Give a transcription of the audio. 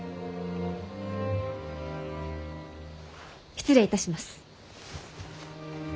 失礼いたします。